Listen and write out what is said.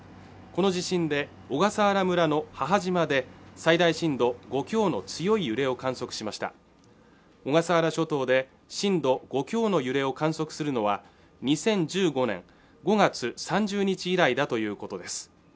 この地震で小笠原村の母島で最大震度５強の強い揺れを観測しました小笠原諸島で震度５強の揺れを観測するのは２０１５年５月３０日以来だということです